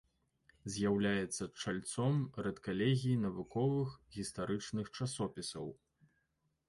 З'яўляецца чальцом рэдкалегіі навуковых гістарычных часопісаў.